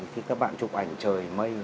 khi các bạn chụp ảnh trời mây